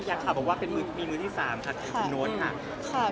อยากถามว่ามีมือที่๓ค่ะคุณโน๊ตค่ะ